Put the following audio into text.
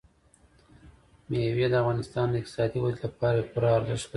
مېوې د افغانستان د اقتصادي ودې لپاره پوره ارزښت لري.